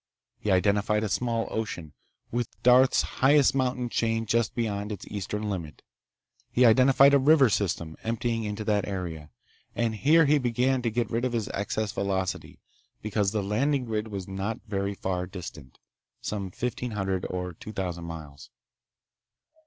He identified a small ocean, with Darth's highest mountain chain just beyond its eastern limit. He identified a river system, emptying into that sea. And here he began to get rid of his excess velocity, because the landing grid was not very far distant—some fifteen hundred or two thousand miles.